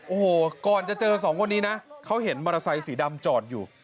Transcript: โอ้โหก่อนจะเจอสองคนนี้นะเขาเห็นมอเตอร์ไซสีดำจอดอยู่